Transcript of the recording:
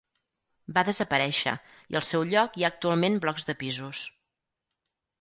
Va desaparèixer i al seu lloc hi ha actualment blocs de pisos.